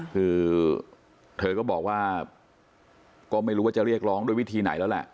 คือเธอก็บอกว่าก็ไม่รู้ว่าจะเรียกร้องด้วยวิธีไหนแล้วแหละ